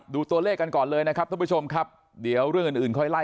ดูตัวเลขกันก่อนเลยนะครับท่านผู้ชมครับเดี๋ยวเรื่องอื่นอื่นค่อยไล่